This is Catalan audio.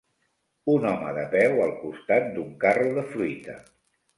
Un home de peu al costat d'un carro de fruita.